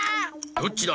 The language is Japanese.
どっちだ？